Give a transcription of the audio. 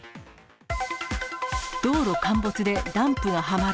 道路陥没でダンプがはまる。